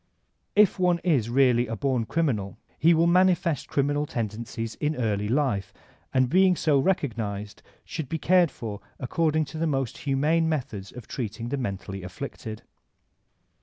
If one is really a bom criminal he will manifest criminal tendencies in early life, and being so recognized should be cared for according to the most humane methods of treating the mentally afflicted.